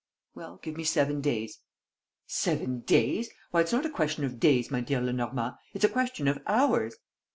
"Well, give me seven days." "Seven days! Why, it's not a question of days, my dear Lenormand! It's a question of hours!"